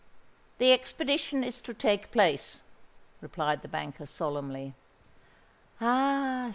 "The expedition is to take place," replied the banker, solemnly. "Ah!